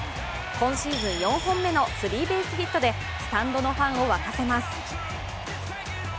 今シーズン４本目のスリーベースヒットでスタンドのファンを沸かせます。